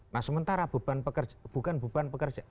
nah sementara beban pekerjaan bukan beban pekerjaan